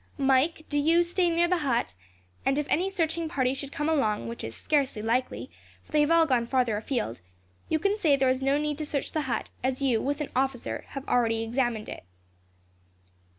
"Mike, do you stay near the hut, and if any searching party should come along, which is scarcely likely, for they have all gone farther afield, you can say there is no need to search the hut, as you, with an officer, have already examined it."